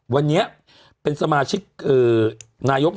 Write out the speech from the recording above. วันนี้เป็นสมาชิกนายก